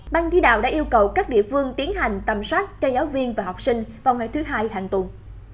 ban thi đạo đã yêu cầu các địa phương tiến hành tầm soát cho giáo viên và học sinh vào ngày thứ hai hàng tuần